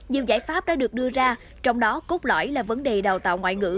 nhiều giải pháp đã được đưa ra trong đó cốt lõi là vấn đề đào tạo ngoại ngữ